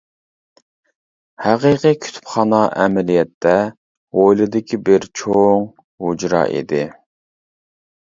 ھەقىقىي كۇتۇپخانا ئەمەلىيەتتە ھويلىدىكى بىر چوڭ ھۇجرا ئىدى.